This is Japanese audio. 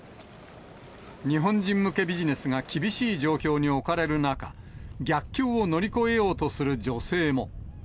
日本人向けビジネスが厳しい状況に置かれる中、逆境を乗り越えようとする女性も。